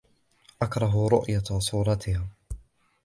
أكره رؤية صورتها.